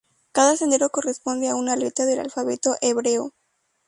Cada sendero corresponde a una letra del alfabeto hebreo.